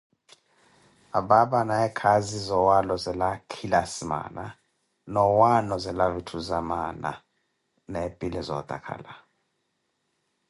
Apaapa anaaye khaazi zoowinkha akhili asimaana na owanozela vitthu za maana na epile zootakhala.